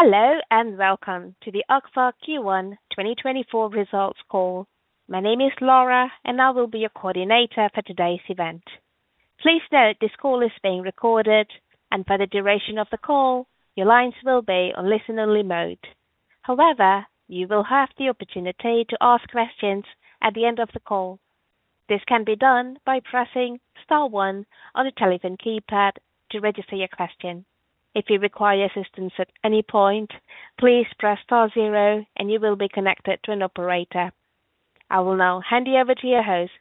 Hello and welcome to the Agfa-Gevaert Q1 2024 results call. My name is Laura, and I will be your coordinator for today's event. Please note this call is being recorded, and for the duration of the call, your lines will be on listen-only mode. However, you will have the opportunity to ask questions at the end of the call. This can be done by pressing star one on the telephone keypad to register your question. If you require assistance at any point, please press star zero and you will be connected to an operator. I will now hand you over to your host,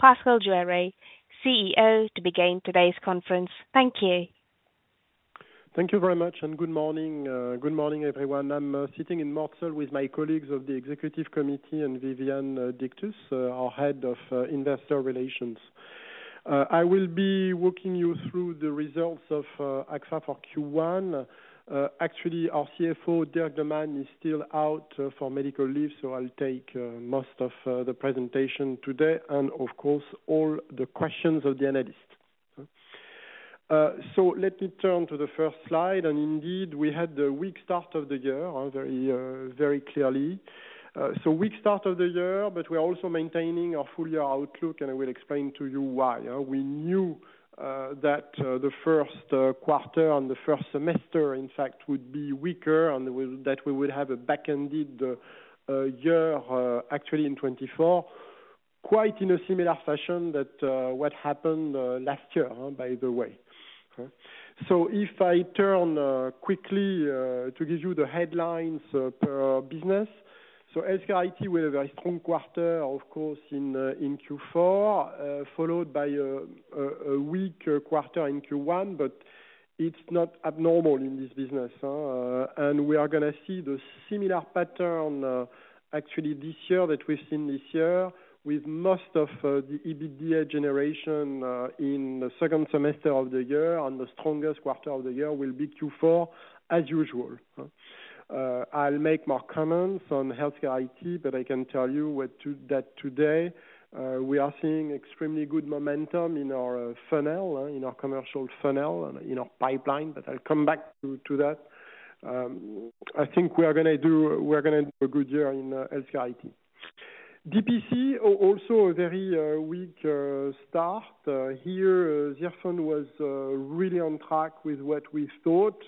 Pascal Juéry, CEO to begin today's conference. Thank you. Thank you very much, and good morning. Good morning, everyone. I'm sitting in Mortsel with my colleagues of the executive committee and Viviane Dictus, our Head of Investor Relations. I will be walking you through the results of Agfa for Q1. Actually, our CFO, Dirk De Man, is still out for medical leave, so I'll take most of the presentation today and, of course, all the questions of the analysts. So let me turn to the first slide. And indeed, we had the weak start of the year, very, very clearly. So weak start of the year, but we are also maintaining our full-year outlook, and I will explain to you why. We knew that the first quarter and the first semester, in fact, would be weaker and that we would have a back-ended year, actually, in 2024, quite in a similar fashion to what happened last year, by the way. So if I turn quickly to give you the headlines per business, so HCIT had a very strong quarter, of course, in Q4, followed by a weak quarter in Q1, but it's not abnormal in this business. And we are going to see the similar pattern, actually, this year that we've seen this year, with most of the EBITDA generation in the second semester of the year and the strongest quarter of the year will be Q4, as usual. I'll make more comments on HCIT, but I can tell you that today we are seeing extremely good momentum in our funnel, in our commercial funnel, in our pipeline, but I'll come back to that. I think we are going to do a good year in HCIT. DPC, also a very weak start. Here, Zirfon was really on track with what we thought.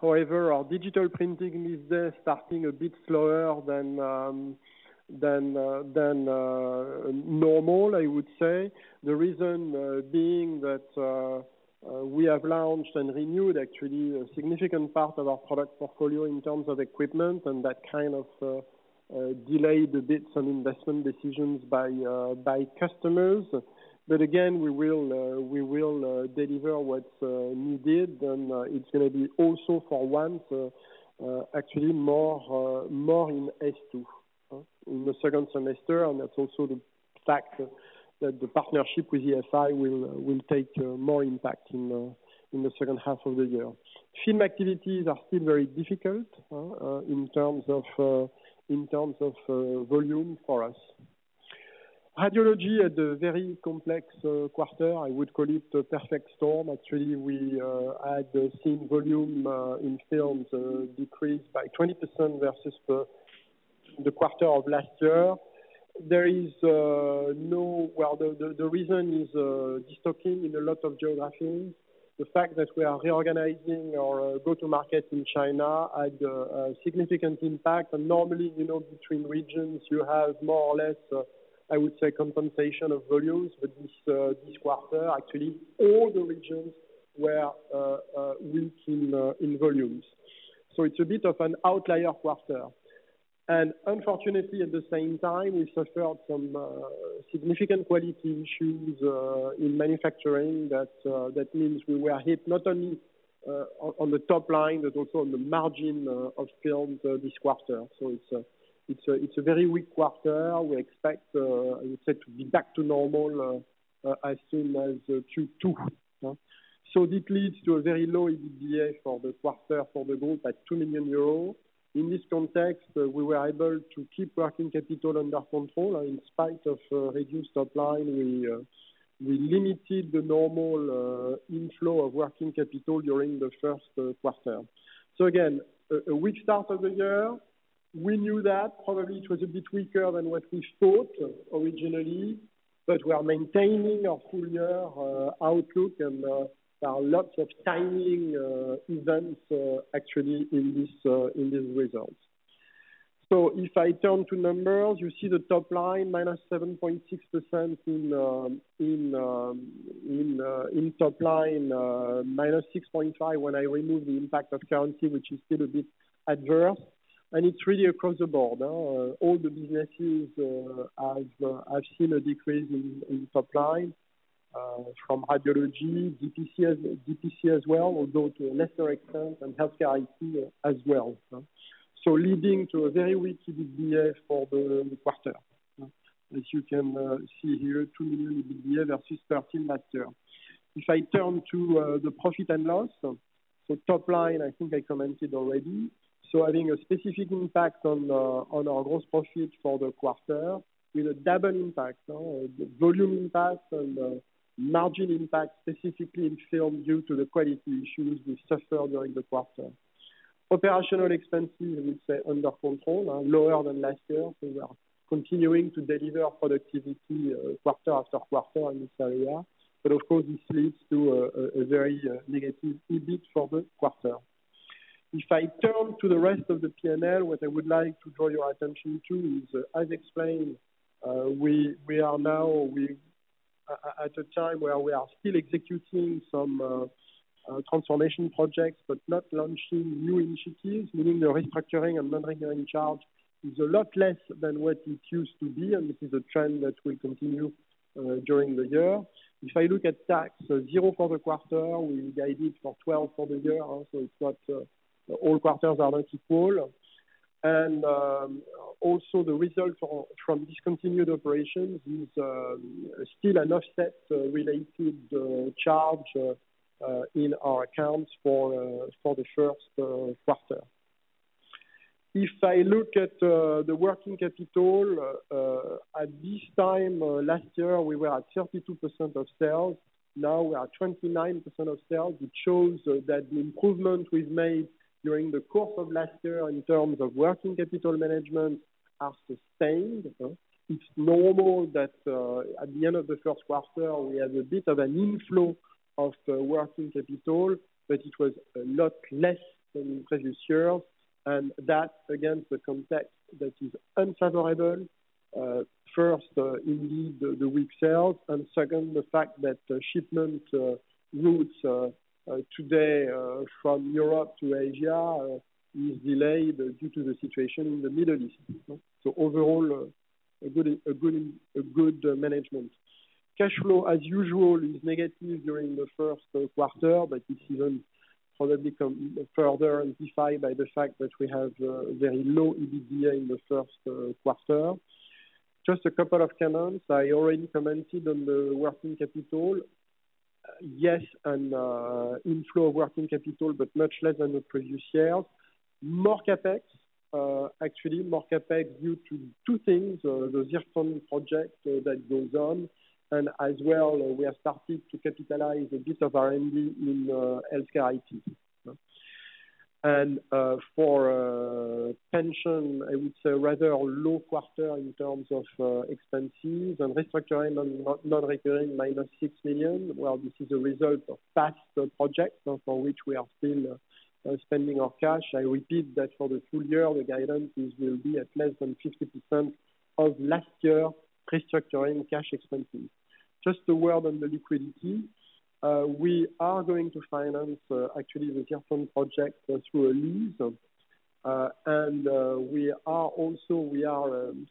However, our digital printing is there starting a bit slower than normal, I would say, the reason being that we have launched and renewed, actually, a significant part of our product portfolio in terms of equipment, and that kind of delayed a bit some investment decisions by customers. But again, we will deliver what's needed, and it's going to be also for once, actually, more in S2, in the second semester, and that's also the fact that the partnership with EFI will take more impact in the second half of the year. Film activities are still very difficult in terms of volume for us. Radiology had a very complex quarter. I would call it a perfect storm. Actually, we had seen volume in films decrease by 20% versus the quarter of last year. Well, the reason is destocking in a lot of geographies. The fact that we are reorganizing our go-to markets in China had a significant impact. And normally, between regions, you have more or less, I would say, compensation of volumes. But this quarter, actually, all the regions were weak in volumes. So it's a bit of an outlier quarter. Unfortunately, at the same time, we suffered some significant quality issues in manufacturing. That means we were hit not only on the top line but also on the margin of films this quarter. It's a very weak quarter. We expect, I would say, to be back to normal as soon as Q2. This leads to a very low EBITDA for the quarter for the group at 2 million euros. In this context, we were able to keep working capital under control. In spite of reduced top line, we limited the normal inflow of working capital during the first quarter. Again, a weak start of the year. We knew that. Probably it was a bit weaker than what we thought originally, but we are maintaining our full-year outlook, and there are lots of timing events, actually, in these results. So if I turn to numbers, you see the top line -7.6% in top line, -6.5% when I remove the impact of currency, which is still a bit adverse. And it's really across the board. All the businesses have seen a decrease in top line, from radiology, DPC as well, although to a lesser extent, and HCIT as well, so leading to a very weak EBITDA for the quarter, as you can see here, 2 million EBITDA versus 13 million last year. If I turn to the profit and loss, so top line, I think I commented already, so having a specific impact on our gross profit for the quarter with a double impact, volume impact and margin impact specifically in film due to the quality issues we suffered during the quarter. Operational expenses, I would say, under control, lower than last year. So we are continuing to deliver productivity quarter after quarter in this area. But of course, this leads to a very negative EBIT for the quarter. If I turn to the rest of the P&L, what I would like to draw your attention to is, as explained, we are now at a time where we are still executing some transformation projects but not launching new initiatives, meaning the restructuring and non-regenerative charge is a lot less than what it used to be, and this is a trend that will continue during the year. If I look at tax, 0% for the quarter. We guided for 12% for the year, so it's not all quarters are not equal. And also, the result from discontinued operations is still an offset-related charge in our accounts for the first quarter. If I look at the working capital, at this time last year, we were at 32% of sales. Now we are at 29% of sales. It shows that the improvement we've made during the course of last year in terms of working capital management are sustained. It's normal that at the end of the first quarter, we have a bit of an inflow of working capital, but it was a lot less than in previous years. And that, again, is a context that is unfavorable. First, indeed, the weak sales, and second, the fact that shipment routes today from Europe to Asia are delayed due to the situation in the Middle East. So overall, a good management. Cash flow, as usual, is negative during the first quarter, but this isn't probably further amplified by the fact that we have very low EBITDA in the first quarter. Just a couple of comments. I already commented on the working capital. Yes, an inflow of working capital, but much less than in previous years. More CapEx, actually, more CapEx due to two things, the Zirfon project that goes on, and as well, we have started to capitalize a bit of R&D in HCIT. And for pension, I would say rather low quarter in terms of expenses and restructuring and non-recurring minus 6 million. Well, this is a result of past projects for which we are still spending our cash. I repeat that for the full year, the guidance is we'll be at less than 50% of last year restructuring cash expenses. Just a word on the liquidity. We are going to finance, actually, the Zirfon project through a lease.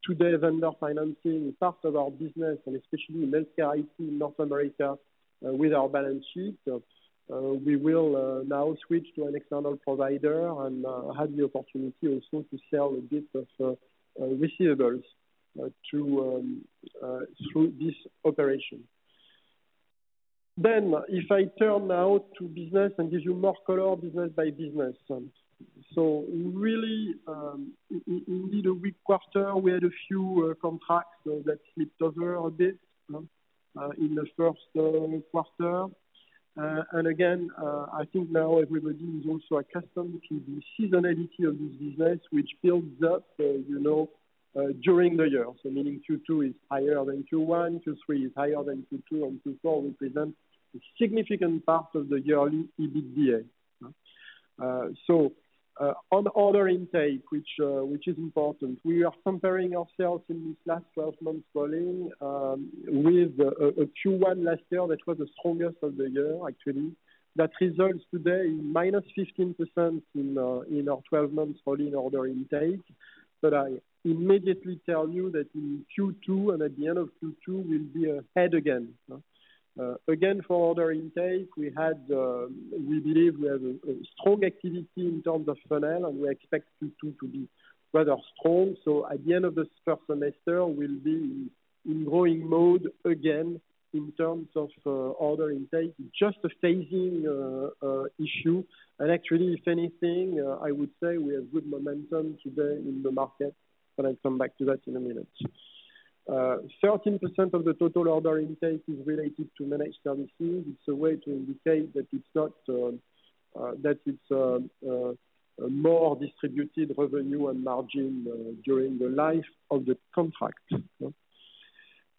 Today, vendor financing part of our business, and especially in HCIT, North America, with our balance sheet, we will now switch to an external provider and have the opportunity also to sell a bit of receivables through this operation. Then if I turn now to business and give you more color, business by business. So really, indeed, a weak quarter. We had a few contracts that slipped over a bit in the first quarter. And again, I think now everybody is also accustomed to the seasonality of this business, which builds up during the year. So meaning Q2 is higher than Q1, Q3 is higher than Q2, and Q4 represents a significant part of the yearly EBITDA. So on order intake, which is important, we are comparing ourselves in this last 12 months' volume with Q1 last year that was the strongest of the year, actually. That results today in -15% in our 12 months' volume order intake. But I immediately tell you that in Q2 and at the end of Q2, we'll be ahead again. Again, for order intake, we believe we have a strong activity in terms of funnel, and we expect Q2 to be rather strong. So at the end of this first semester, we'll be in growing mode again in terms of order intake. It's just a phasing issue. And actually, if anything, I would say we have good momentum today in the market, but I'll come back to that in a minute. 13% of the total order intake is related to managed services. It's a way to indicate that it's not that it's more distributed revenue and margin during the life of the contract.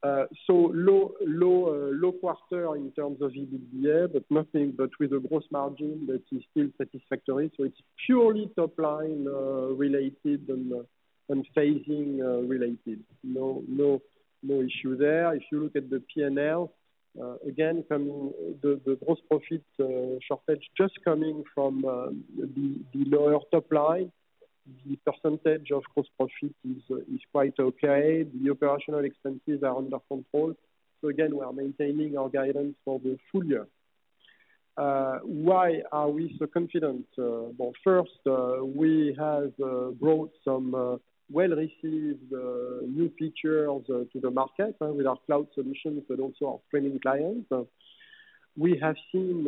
So low quarter in terms of EBITDA, but nothing but with a gross margin that is still satisfactory. So it's purely top line related and phasing related. No issue there. If you look at the P&L, again, the gross profit shortage just coming from the lower top line, the percentage of gross profit is quite okay. The operational expenses are under control. So again, we are maintaining our guidance for the full year. Why are we so confident? Well, first, we have brought some well-received new features to the market with our cloud solutions but also our streaming clients. We have seen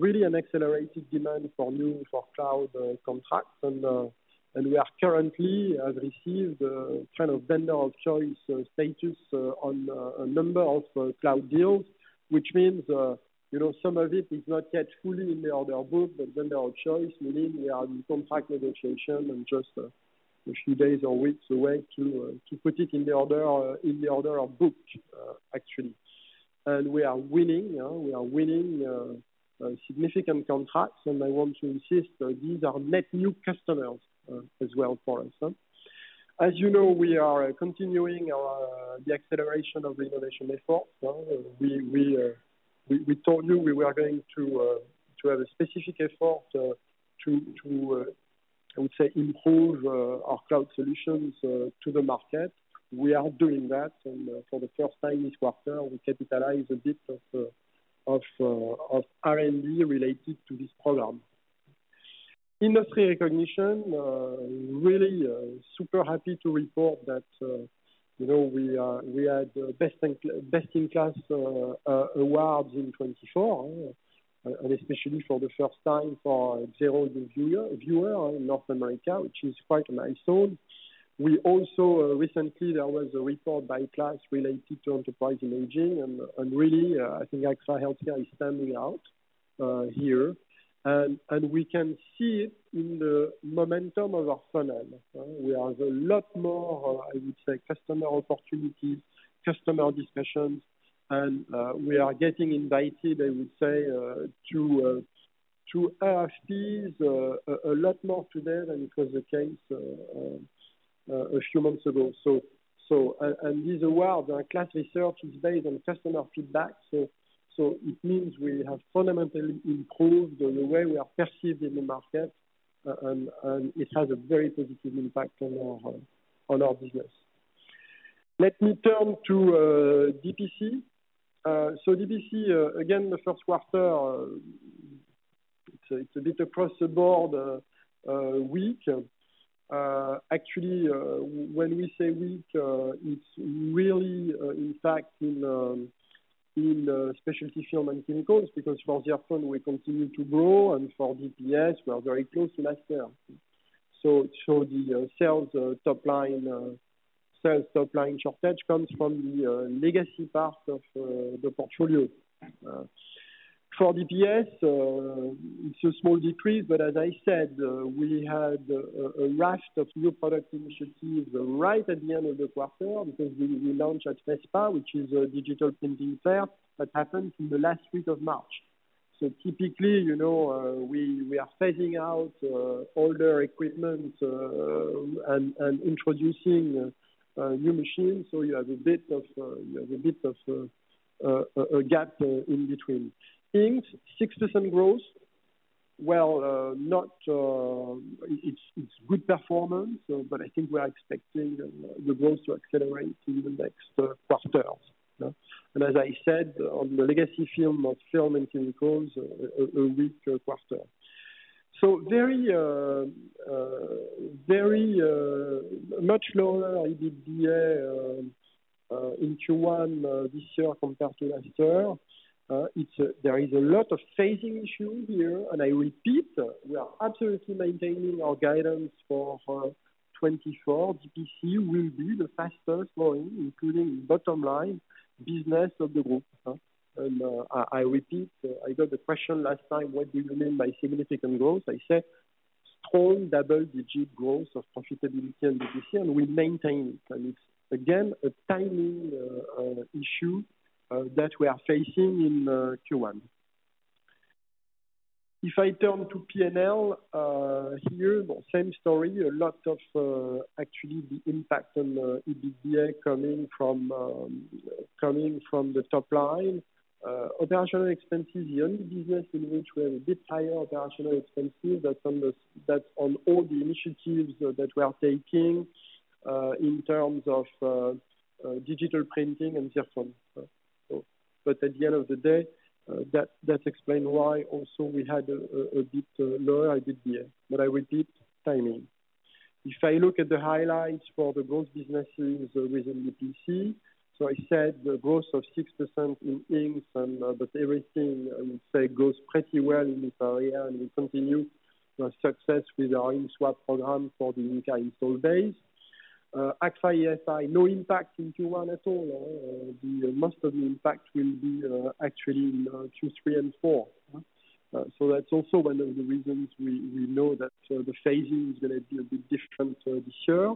really an accelerated demand for cloud contracts, and we are currently have received kind of vendor of choice status on a number of cloud deals, which means some of it is not yet fully in the order book but vendor of choice, meaning we are in contract negotiation and just a few days or weeks away to put it in the order book, actually. We are winning. We are winning significant contracts. I want to insist, these are net new customers as well for us. As you know, we are continuing the acceleration of the innovation efforts. We told you we were going to have a specific effort to, I would say, improve our cloud solutions to the market. We are doing that. For the first time this quarter, we capitalize a bit of R&D related to this program. Industry recognition. Really super happy to report that we had best-in-class awards in 2024, and especially for the first time for XERO Viewer in North America, which is quite a nice one. Recently, there was a report by KLAS related to Enterprise Imaging. Really, I think Agfa HealthCare is standing out here. We can see it in the momentum of our funnel. We have a lot more, I would say, customer opportunities, customer discussions. We are getting invited, I would say, to RFPs a lot more today than it was the case a few months ago. These awards, KLAS research is based on customer feedback. So it means we have fundamentally improved the way we are perceived in the market, and it has a very positive impact on our business. Let me turn to DPC. So DPC, again, the first quarter, it's a bit across-the-board weak. Actually, when we say week, it's really, in fact, in specialty film and chemicals because for Zirfon, we continue to grow, and for DPS, we are very close to last year. So the sales top line shortage comes from the legacy part of the portfolio. For DPS, it's a small decrease. But as I said, we had a raft of new product initiatives right at the end of the quarter because we launched at FESPA, which is a digital printing fair that happened in the last week of March. So typically, we are phasing out older equipment and introducing new machines. So you have a bit of a gap in between. Inca, 6% growth. Well, it's good performance, but I think we are expecting the growth to accelerate in the next quarters. As I said, on the legacy film, offset film and chemicals, a weak quarter. So, much lower EBITDA in Q1 this year compared to last year. There is a lot of phasing issue here. And I repeat, we are absolutely maintaining our guidance for 2024. DPC will be the fastest growing, including bottom line business of the group. And I repeat, I got the question last time, "What do you mean by significant growth?" I said strong double-digit growth of profitability and DPC, and we maintain it. And it's, again, a timing issue that we are facing in Q1. If I turn to P&L here, same story, a lot of actually the impact on EBITDA coming from the top line. Operational Expenses, the only business in which we have a bit higher operational expenses, that's on all the initiatives that we are taking in terms of digital printing and Zirfon. But at the end of the day, that explains why also we had a bit lower EBITDA. But I repeat, timing. If I look at the highlights for the gross businesses within DPC, so I said the growth of 6% in Inca, but everything, I would say, goes pretty well in this area, and we continue success with our InkSwap program for the Inca install base. As for EFI, no impact in Q1 at all. Most of the impact will be actually in Q3 and Q4. So that's also one of the reasons we know that the phasing is going to be a bit different this year.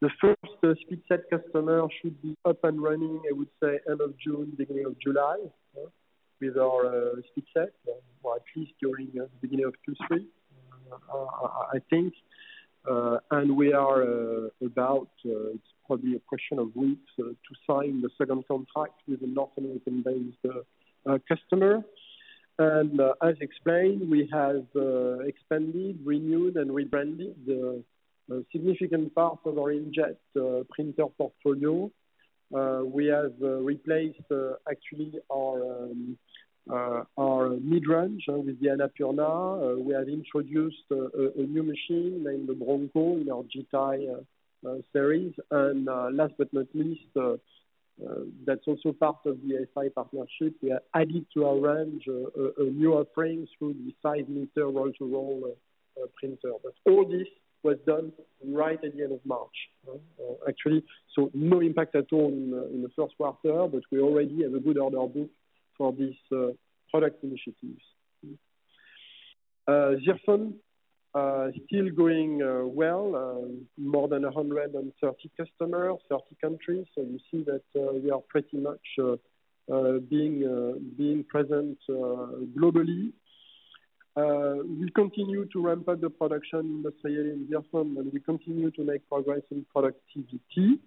The first SpeedSet customer should be up and running, I would say, end of June, beginning of July with our SpeedSet, or at least during the beginning of Q3, I think. And we are about it's probably a question of weeks to sign the second contract with a North American-based customer. And as explained, we have expanded, renewed, and rebranded significant parts of our Inkjet printer portfolio. We have replaced, actually, our mid-range with the Anapurna. We have introduced a new machine named the Bronco in our Jeti series. And last but not least, that's also part of the EFI partnership. We have added to our range a new offering through the 5 meter roll-to-roll printer. But all this was done right at the end of March, actually. So no impact at all in the first quarter, but we already have a good order book for these product initiatives. Zirfon, still going well, more than 130 customers, 30 countries. So you see that we are pretty much being present globally. We continue to ramp up the production industrially in Zirfon, and we continue to make progress in productivity.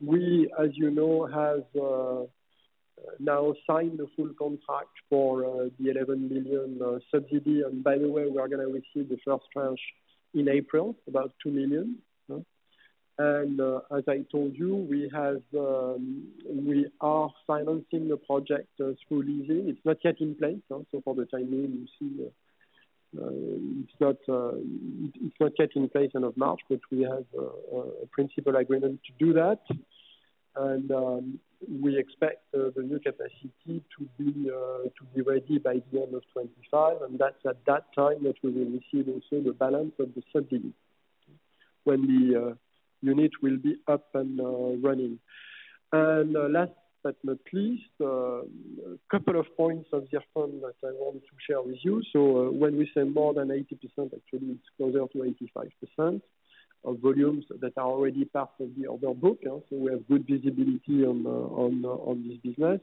We, as you know, have now signed the full contract for the 11 million subsidy. And by the way, we are going to receive the first tranche in April, about 2 million. And as I told you, we are financing the project through leasing. It's not yet in place. So for the timing, you see it's not yet in place end of March, but we have a principal agreement to do that. And we expect the new capacity to be ready by the end of 2025. And that's at that time that we will receive also the balance of the subsidy when the unit will be up and running. Last but not least, a couple of points of Zirfon that I wanted to share with you. So when we say more than 80%, actually, it's closer to 85% of volumes that are already part of the order book. So we have good visibility on this business.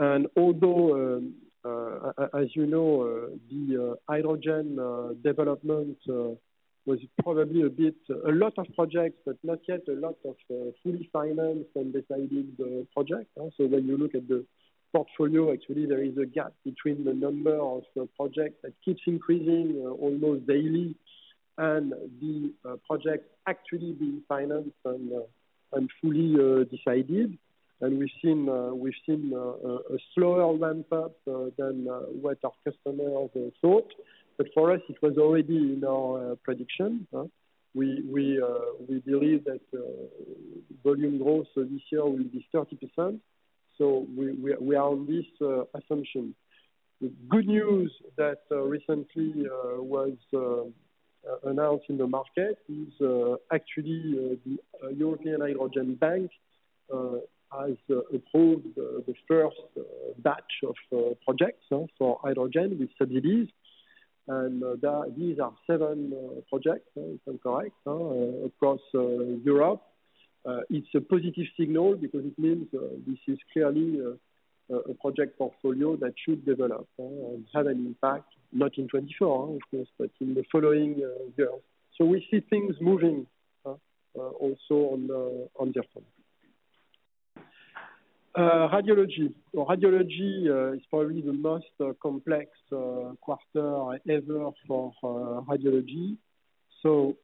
And although, as you know, the hydrogen development was probably a bit a lot of projects but not yet a lot of fully financed and decided projects. So when you look at the portfolio, actually, there is a gap between the number of projects that keeps increasing almost daily and the projects actually being financed and fully decided. And we've seen a slower ramp-up than what our customers thought. But for us, it was already in our prediction. We believe that volume growth this year will be 30%. So we are on this assumption. The good news that recently was announced in the market is actually the European Hydrogen Bank has approved the first batch of projects for hydrogen with subsidies. And these are seven projects, if I'm correct, across Europe. It's a positive signal because it means this is clearly a project portfolio that should develop and have an impact, not in 2024, of course, but in the following years. So we see things moving also on Zirfon. Radiology. Radiology is probably the most complex quarter ever for radiology. So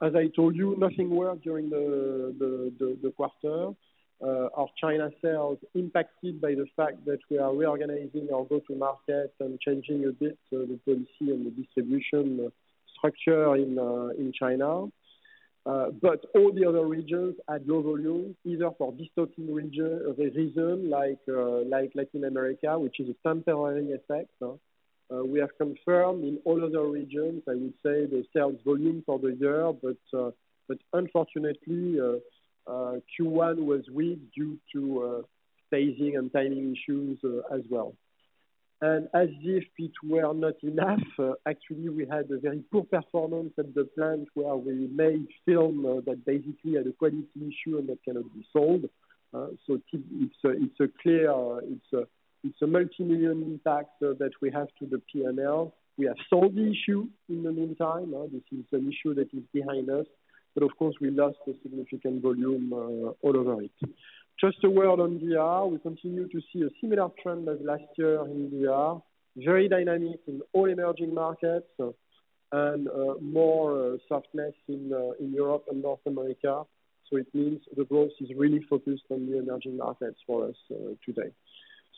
as I told you, nothing worked during the quarter. Our China sales impacted by the fact that we are reorganizing our go-to-market and changing a bit the policy and the distribution structure in China. But all the other regions had low volume, either for destocking reason like Latin America, which is a temporary effect. We have confirmed in all other regions, I would say, the sales volume for the year. Unfortunately, Q1 was weak due to phasing and timing issues as well. As if it were not enough, actually, we had a very poor performance at the plant where we made film that basically had a quality issue and that cannot be sold. So it's clear, it's a multi-million impact that we have to the P&L. We have solved the issue in the meantime. This is an issue that is behind us. But of course, we lost significant volume all over it. Just a word on DR. We continue to see a similar trend as last year in DR, very dynamic in all emerging markets and more softness in Europe and North America. So it means the growth is really focused on the emerging markets for us today.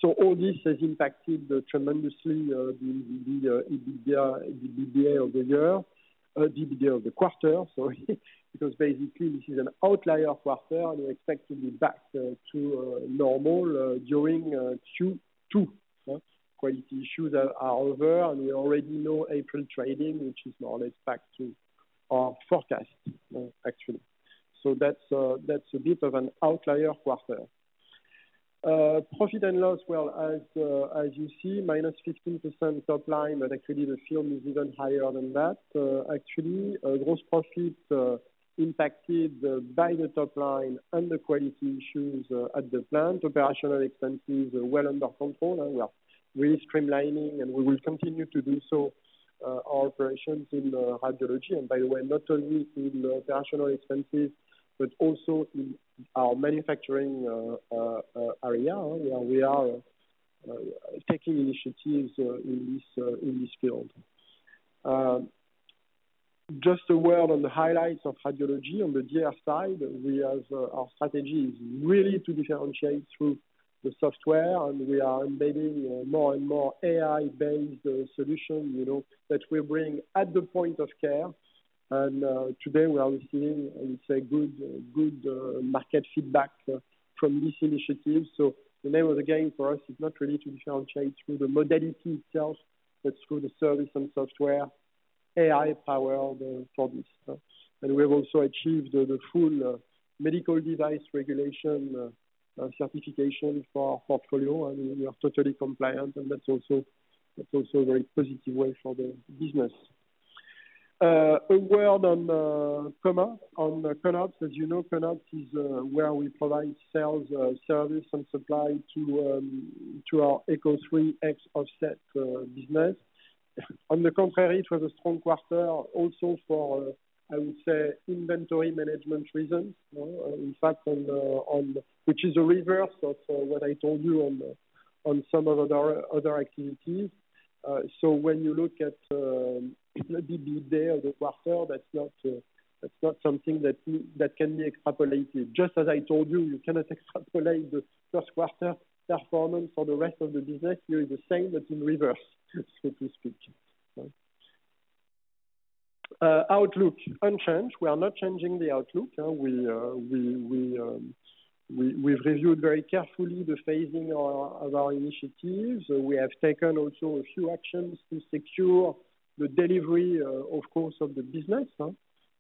So all this has impacted tremendously the EBITDA of the year, EBITDA of the quarter, sorry, because basically, this is an outlier quarter, and we expect to be back to normal during Q2. Quality issues are over, and we already know April trading, which is more or less back to our forecast, actually. So that's a bit of an outlier quarter. Profit and loss, well, as you see, -15% top line, but actually, the film is even higher than that, actually. Gross profit impacted by the top line and the quality issues at the plant. Operational expenses are well under control. We are really streamlining, and we will continue to do so our operations in radiology. And by the way, not only in operational expenses but also in our manufacturing area where we are taking initiatives in this field. Just a word on the highlights of radiology. On the DR side, our strategy is really to differentiate through the software, and we are embedding more and more AI-based solutions that we bring at the point of care. Today, we are receiving, I would say, good market feedback from this initiative. The name of the game for us is not really to differentiate through the modality itself, but through the service and software AI-powered for this. We have also achieved the full medical device regulation certification for our portfolio. We are totally compliant, and that's also a very positive way for the business. A word on ConOps. As you know, ConOps is where we provide sales service and supply to our ECO3 offset business. On the contrary, it was a strong quarter also for, I would say, inventory management reasons, in fact, which is the reverse of what I told you on some other activities. So when you look at EBITDA of the quarter, that's not something that can be extrapolated. Just as I told you, you cannot extrapolate the first quarter performance for the rest of the business. Here is the same, but in reverse, so to speak. Outlook, unchanged. We are not changing the outlook. We've reviewed very carefully the phasing of our initiatives. We have taken also a few actions to secure the delivery, of course, of the business.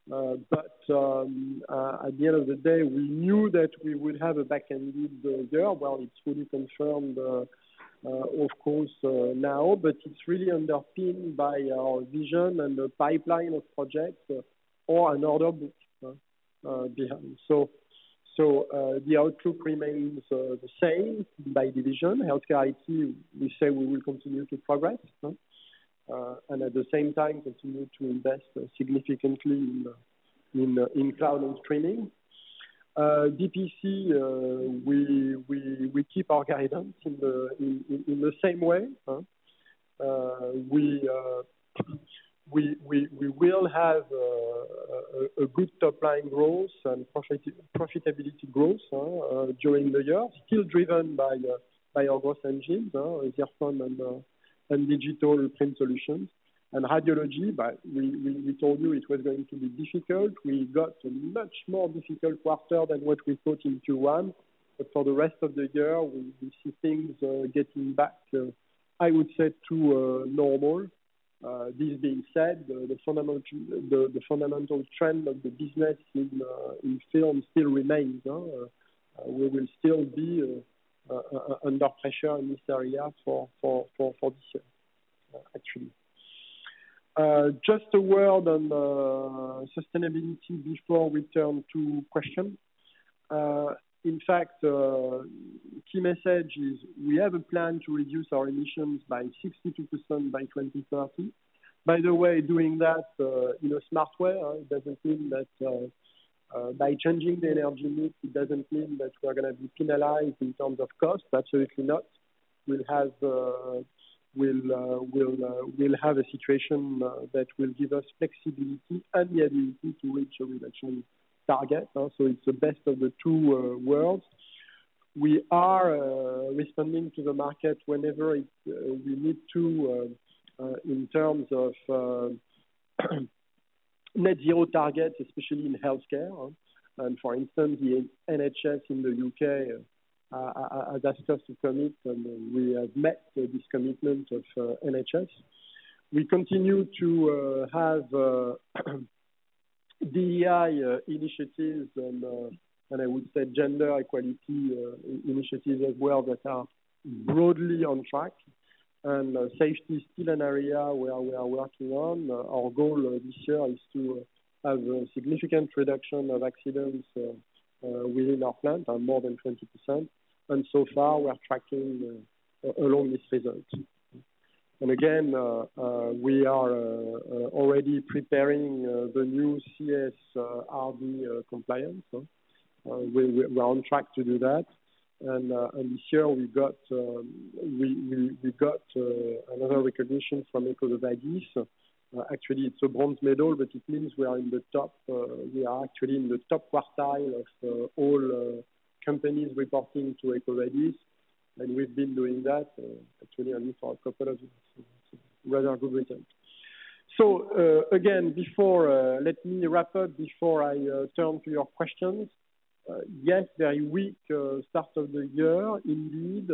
But at the end of the day, we knew that we would have a back-end loaded year. Well, it's fully confirmed, of course, now, but it's really underpinned by our vision and the pipeline of projects or an order book behind. So the outlook remains the same by division. Healthcare IT, we say we will continue to progress and at the same time continue to invest significantly in cloud and streaming. DPC, we keep our guidance in the same way. We will have a good top line growth and profitability growth during the year, still driven by our gross engines, Zirfon, and digital print solutions. And radiology, we told you it was going to be difficult. We got a much more difficult quarter than what we thought in Q1. But for the rest of the year, we see things getting back, I would say, to normal. This being said, the fundamental trend of the business in film still remains. We will still be under pressure in this area for this year, actually. Just a word on sustainability before we turn to question. In fact, key message is we have a plan to reduce our emissions by 62% by 2030. By the way, doing that in a smart way, it doesn't mean that by changing the energy needs, it doesn't mean that we are going to be penalized in terms of cost. Absolutely not. We'll have a situation that will give us flexibility and the ability to reach a reduction target. So it's the best of the two worlds. We are responding to the market whenever we need to in terms of net-zero targets, especially in healthcare. And for instance, the NHS in the UK has asked us to commit, and we have met this commitment of NHS. We continue to have DEI initiatives and, I would say, gender equality initiatives as well that are broadly on track. Safety is still an area where we are working on. Our goal this year is to have a significant reduction of accidents within our plant, more than 20%. So far, we're tracking along these results. Again, we are already preparing the new CSRD compliance. We're on track to do that. This year, we got another recognition from EcoVadis. Actually, it's a bronze medal, but it means we are in the top we are actually in the top quartile of all companies reporting to EcoVadis. We've been doing that, actually, only for a couple of years. It's a rather good result. Again, let me wrap up before I turn to your questions. Yes, very weak start of the year. Indeed,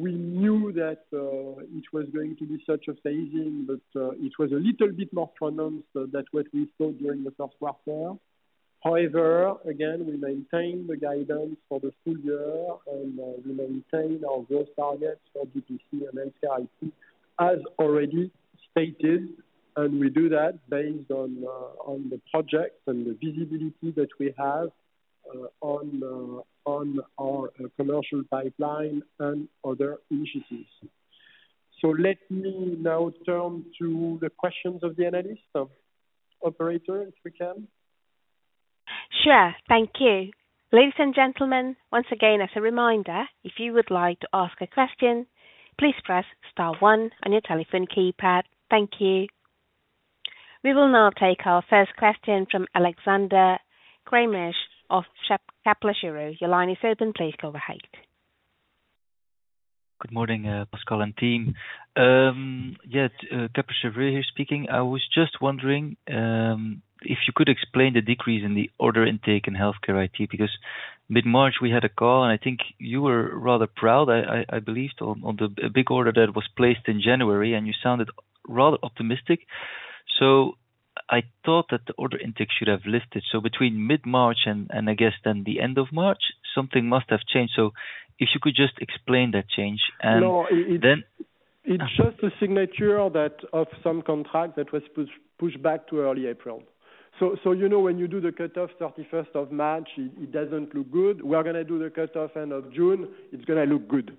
we knew that it was going to be such a phasing, but it was a little bit more pronounced than what we thought during the first quarter. However, again, we maintain the guidance for the full year, and we maintain our growth targets for DPC and HealthCare IT, as already stated. We do that based on the projects and the visibility that we have on our commercial pipeline and other initiatives. Let me now turn to the questions of the analyst operator, if we can. Sure. Thank you. Ladies and gentlemen, once again, as a reminder, if you would like to ask a question, please press star 1 on your telephone keypad. Thank you. We will now take our first question from Alexander Craeymeersch of Kepler Cheuvreux. Your line is open. Please go ahead. Good morning, Pascal and team. Yeah, Kepler Cheuvreux here speaking. I was just wondering if you could explain the decrease in the order intake in HealthCare IT because mid-March, we had a call, and I think you were rather proud, I believe, on the big order that was placed in January, and you sounded rather optimistic. So I thought that the order intake should have lifted. So between mid-March and, I guess, then the end of March, something must have changed. So if you could just explain that change. And then. No, it's just a signature of some contract that was pushed back to early April. So when you do the cutoff 31st of March, it doesn't look good. We're going to do the cutoff end of June. It's going to look good.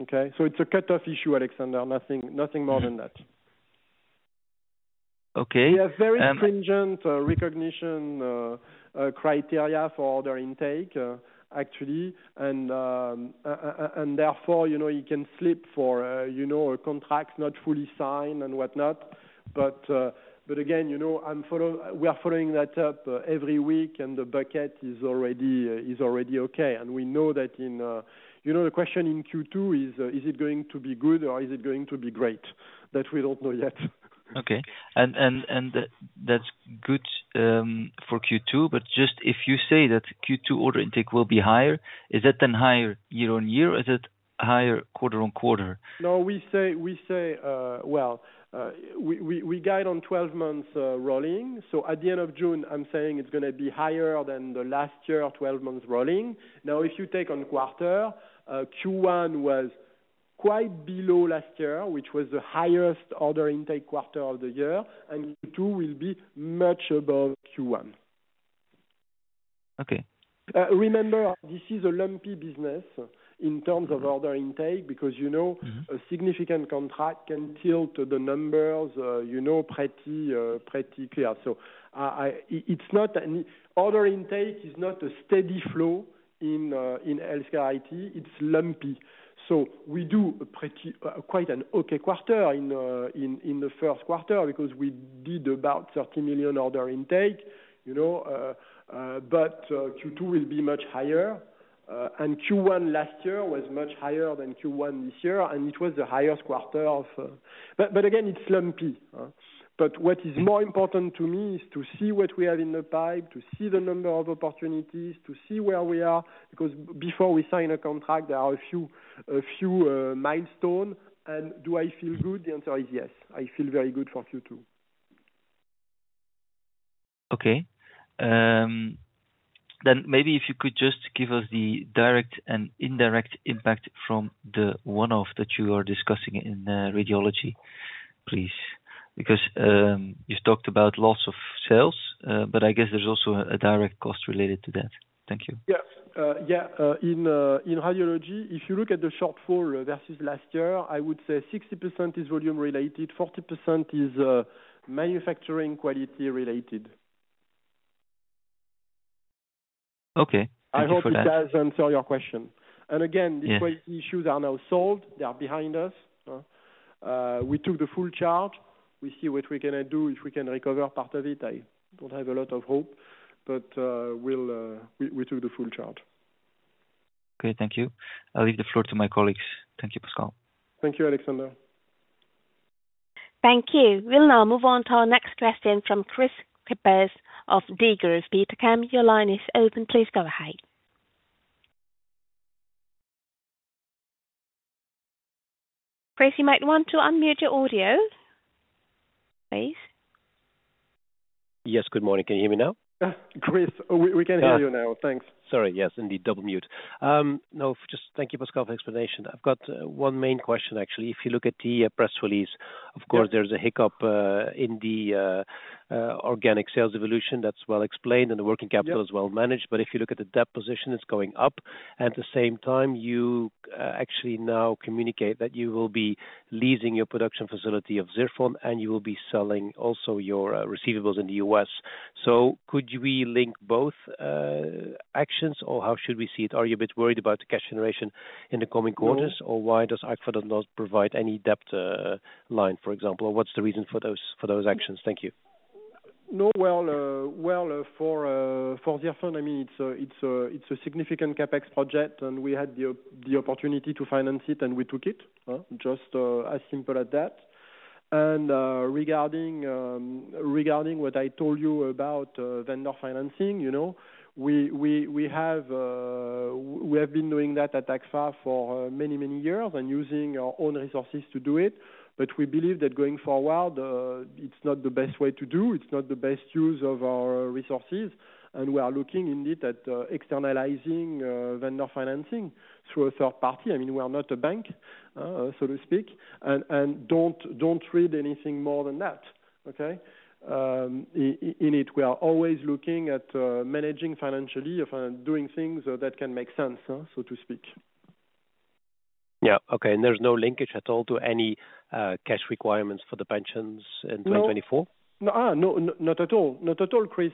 Okay? So it's a cutoff issue, Alexander. Nothing more than that. Okay. We have very stringent recognition criteria for order intake, actually. And therefore, you can slip for contracts not fully signed and whatnot. But again, we are following that up every week, and the bucket is already okay. And we know that in the question in Q2 is, is it going to be good, or is it going to be great? That we don't know yet. Okay. That's good for Q2. But just if you say that Q2 order intake will be higher, is that then higher year-on-year, or is it higher quarter-on-quarter? No, we say, well, we guide on 12 months rolling. So at the end of June, I'm saying it's going to be higher than the last year 12 months rolling. Now, if you take on quarter, Q1 was quite below last year, which was the highest order intake quarter of the year. Q2 will be much above Q1. Okay. Remember, this is a lumpy business in terms of order intake because a significant contract can tilt the numbers pretty clear. So order intake is not a steady flow in healthcare IT. It's lumpy. So we do quite an okay quarter in the first quarter because we did about 30 million order intake. But Q2 will be much higher. And Q1 last year was much higher than Q1 this year, and it was the highest quarter of but again, it's lumpy. But what is more important to me is to see what we have in the pipe, to see the number of opportunities, to see where we are because before we sign a contract, there are a few milestones. And do I feel good? The answer is yes. I feel very good for Q2. Okay. Then maybe if you could just give us the direct and indirect impact from the one-off that you are discussing in radiology, please, because you've talked about lots of sales, but I guess there's also a direct cost related to that. Thank you. Yeah. Yeah. In radiology, if you look at the shortfall versus last year, I would say 60% is volume-related, 40% is manufacturing quality-related. Okay. I hope this does answer your question. Again, these quality issues are now solved. They are behind us. We took the full charge. We see what we can do. If we can recover part of it, I don't have a lot of hope, but we took the full charge. Great. Thank you. I'll leave the floor to my colleagues. Thank you, Pascal. Thank you, Alexander. Thank you. We'll now move on to our next question from Kris Kippers of Degroof Petercam. Your line is open. Please go ahead. Kris, you might want to unmute your audio, please. Yes. Good morning. Can you hear me now? Kris, we can hear you now. Thanks. Sorry. Yes, indeed, double mute. No, just thank you, Pascal, for the explanation. I've got one main question, actually. If you look at the press release, of course, there's a hiccup in the organic sales evolution. That's well explained, and the working capital is well managed. But if you look at the debt position, it's going up. And at the same time, you actually now communicate that you will be leasing your production facility of Zirfon, and you will be selling also your receivables in the U.S. So could we link both actions, or how should we see it? Are you a bit worried about the cash generation in the coming quarters, or why does Agfa not provide any debt line, for example? Or what's the reason for those actions? Thank you. No, well, for Zirfon, I mean, it's a significant CapEx project, and we had the opportunity to finance it, and we took it. Just as simple as that. And regarding what I told you about vendor financing, we have been doing that at Agfa for many, many years and using our own resources to do it. But we believe that going forward, it's not the best way to do. It's not the best use of our resources. And we are looking, indeed, at externalizing vendor financing through a third party. I mean, we are not a bank, so to speak, and don't read anything more than that. Okay? In it, we are always looking at managing financially and doing things that can make sense, so to speak. Yeah. Okay. And there's no linkage at all to any cash requirements for the pensions in 2024? No, not at all. Not at all, Kris.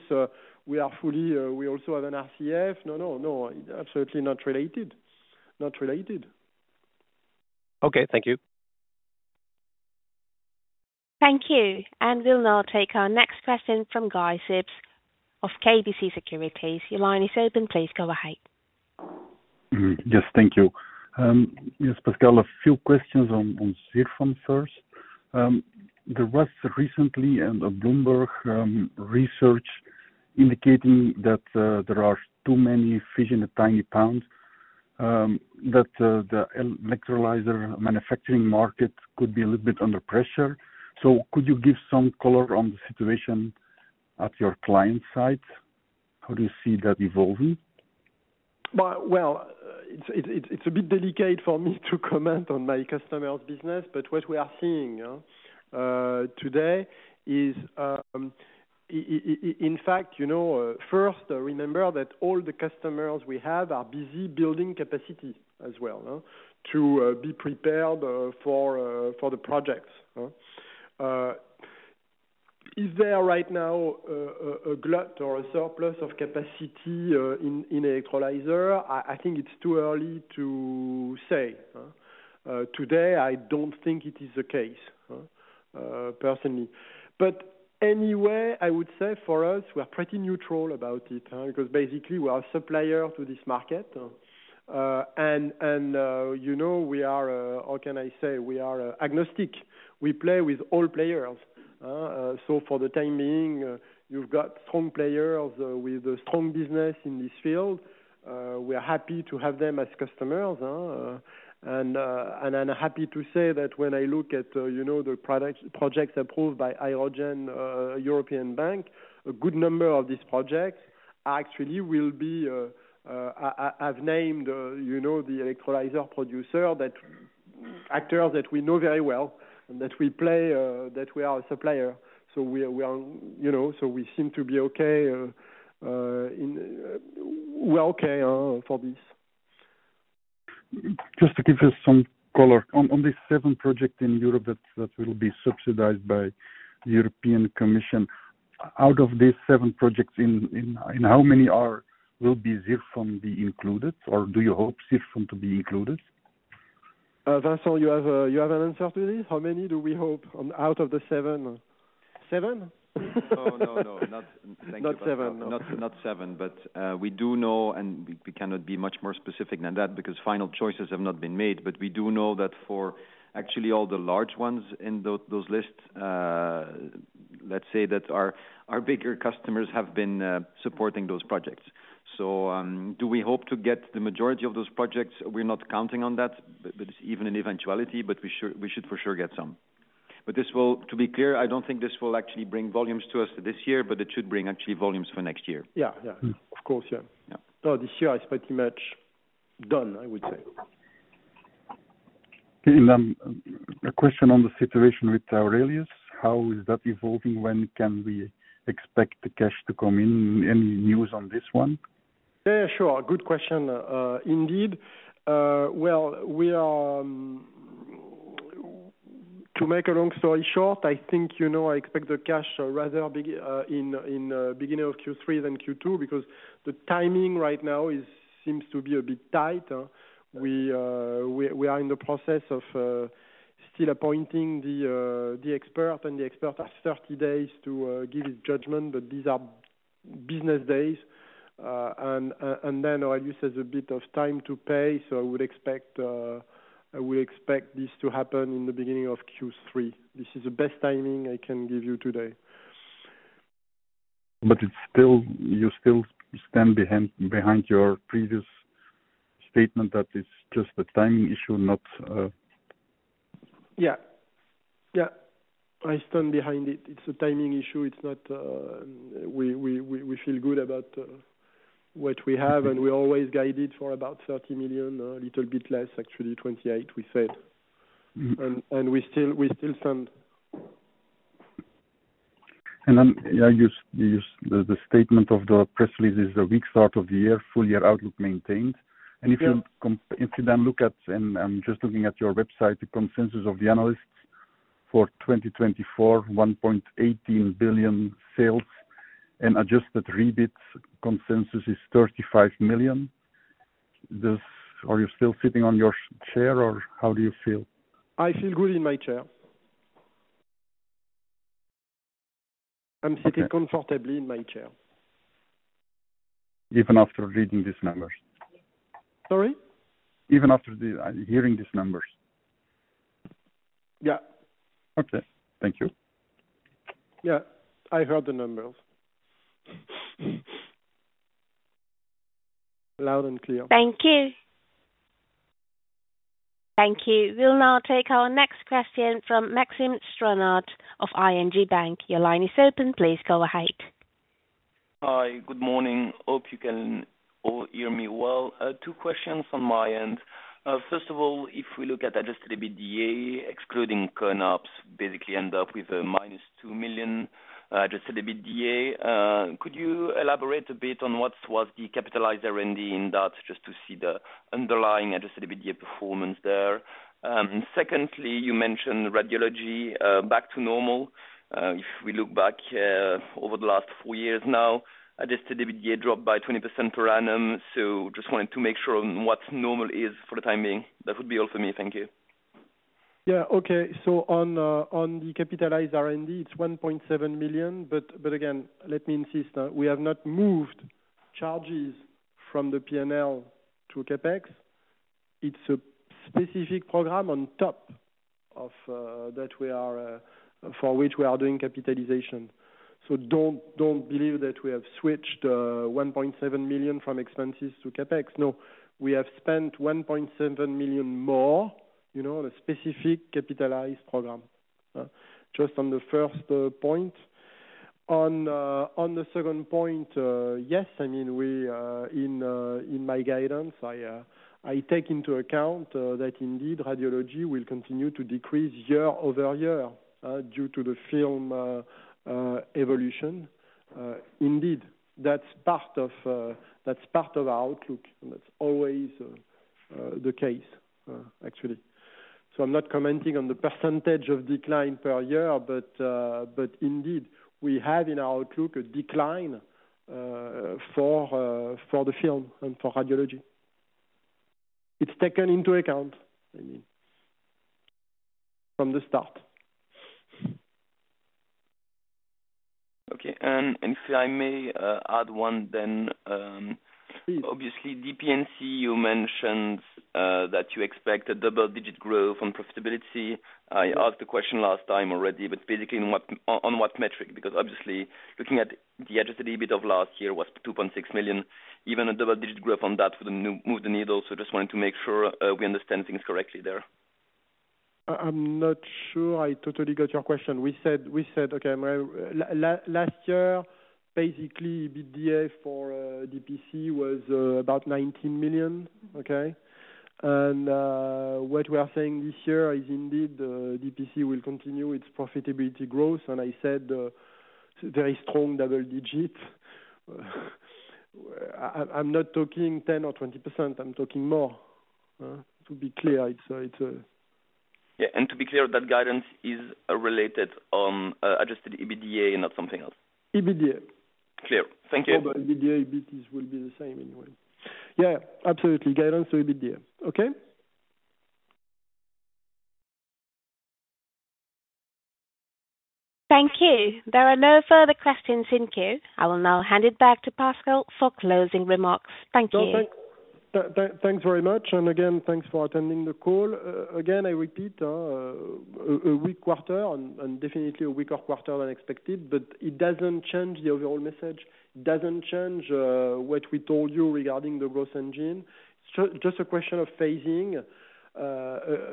We also have an RCF. No, no, no. Absolutely not related. Not related. Okay. Thank you. Thank you. We'll now take our next question from Guy Sips of KBC Securities. Your line is open. Please go ahead. Yes. Thank you. Yes, Pascal, a few questions on Zirfon first. There was recently a Bloomberg research indicating that there are too many fish in a tiny pond, that the electrolyzer manufacturing market could be a little bit under pressure. So could you give some color on the situation at your client's side? How do you see that evolving? Well, it's a bit delicate for me to comment on my customer's business, but what we are seeing today is, in fact, first, remember that all the customers we have are busy building capacity as well to be prepared for the projects. Is there right now a glut or a surplus of capacity in electrolyzer? I think it's too early to say. Today, I don't think it is the case, personally. But anyway, I would say for us, we are pretty neutral about it because basically, we are a supplier to this market. And we are, how can I say, agnostic. We play with all players. So for the time being, you've got strong players with a strong business in this field. We are happy to have them as customers. I'm happy to say that when I look at the projects approved by the European Hydrogen Bank, a good number of these projects actually will be. I've named the electrolyzer producer actors that we know very well and that we play that we are a supplier. So we seem to be okay. We're okay for this. Just to give us some color, on these seven projects in Europe that will be subsidized by the European Commission, out of these seven projects, in how many will Zirfon be included, or do you hope Zirfon to be included? Vincent, you have an answer to this? How many do we hope out of the seven? Seven? No, no, no. Thank you. Not seven. Not 7. But we do know, and we cannot be much more specific than that because final choices have not been made. But we do know that for actually all the large ones in those lists, let's say that our bigger customers have been supporting those projects. So do we hope to get the majority of those projects? We're not counting on that, but it's even an eventuality. But we should for sure get some. But to be clear, I don't think this will actually bring volumes to us this year, but it should bring actually volumes for next year. Yeah. Yeah. Of course. Yeah. No, this year, it's pretty much done, I would say. A question on the situation with Aurelius. How is that evolving? When can we expect the cash to come in? Any news on this one? Yeah, yeah. Sure. Good question. Indeed. Well, to make a long story short, I think I expect the cash rather in the beginning of Q3 than Q2 because the timing right now seems to be a bit tight. We are in the process of still appointing the expert, and the expert has 30 days to give his judgment. But these are business days. And then Aurelius has a bit of time to pay. So I would expect this to happen in the beginning of Q3. This is the best timing I can give you today. But you still stand behind your previous statement that it's just a timing issue, not? Yeah. Yeah. I stand behind it. It's a timing issue. We feel good about what we have, and we always guided for about 30 million, a little bit less, actually, 28 million, we said. We still send. And then the statement of the press release is, "The weak start of the year, full year outlook maintained." And if you then look at and I'm just looking at your website, the consensus of the analysts for 2024, 1.18 billion sales, and adjusted EBIT consensus is 35 million. Are you still sitting on your chair, or how do you feel? I feel good in my chair. I'm sitting comfortably in my chair. Even after reading these numbers? Sorry? Even after hearing these numbers? Yeah. Okay. Thank you. Yeah. I heard the numbers loud and clear. Thank you. Thank you. We'll now take our next question from Maxime Stranart of ING Bank. Your line is open. Please go ahead. Hi. Good morning. Hope you can all hear me well. Two questions on my end. First of all, if we look at adjusted EBITDA, excluding ConOps, basically end up with a minus 2 million adjusted EBITDA. Could you elaborate a bit on what was the capitalized R&D in that just to see the underlying adjusted EBITDA performance there? Secondly, you mentioned Radiology back to normal. If we look back over the last four years now, adjusted EBITDA dropped by 20% per annum. So just wanted to make sure on what normal is for the time being. That would be all for me. Thank you. Yeah. Okay. So on the capitalized R&D, it's 1.7 million. But again, let me insist. We have not moved charges from the P&L to CapEx. It's a specific program on top of that for which we are doing capitalization. So don't believe that we have switched 1.7 million from expenses to CapEx. No, we have spent 1.7 million more on a specific capitalized program, just on the first point. On the second point, yes, I mean, in my guidance, I take into account that indeed, radiology will continue to decrease year-over-year due to the film evolution. Indeed, that's part of our outlook. That's always the case, actually. So I'm not commenting on the percentage of decline per year, but indeed, we have in our outlook a decline for the film and for radiology. It's taken into account, I mean, from the start. Okay. And if I may add one, then obviously, DPC, you mentioned that you expect a double-digit growth on profitability. I asked the question last time already, but basically, on what metric? Because obviously, looking at the adjusted EBIT of last year was 2.6 million. Even a double-digit growth on that would move the needle. So just wanted to make sure we understand things correctly there. I'm not sure I totally got your question. We said, "Okay. Last year, basically, EBITDA for DPC was about 19 million." Okay? And what we are saying this year is indeed, DPC will continue its profitability growth. And I said very strong double-digit. I'm not talking 10% or 20%. I'm talking more, to be clear. It's a. Yeah. And to be clear, that guidance is related on adjusted EBITDA and not something else? EBITDA. Clear. Thank you. Oh, but EBITDA, EBIT will be the same anyway. Yeah. Absolutely. Guidance to EBITDA. Okay? Thank you. There are no further questions in queue. I will now hand it back to Pascal for closing remarks. Thank you. No, thanks very much. And again, thanks for attending the call. Again, I repeat, a weak quarter and definitely a weaker quarter than expected, but it doesn't change the overall message. It doesn't change what we told you regarding the growth engine. It's just a question of phasing.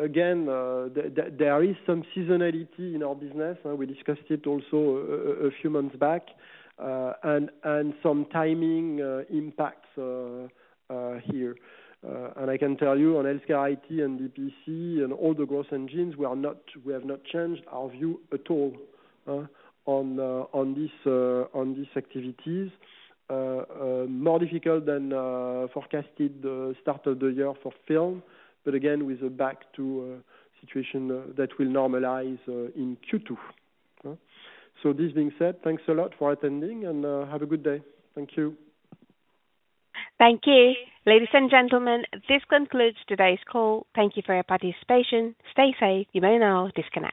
Again, there is some seasonality in our business. We discussed it also a few months back and some timing impacts here. And I can tell you, on Healthcare IT and DPC and all the growth engines, we have not changed our view at all on these activities. More difficult than forecasted start of the year for film, but again, we are back to a situation that will normalize in Q2. So this being said, thanks a lot for attending, and have a good day. Thank you. Thank you. Ladies and gentlemen, this concludes today's call. Thank you for your participation. Stay safe. You may now disconnect.